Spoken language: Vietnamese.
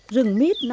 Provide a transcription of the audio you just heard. rừng mít là một nơi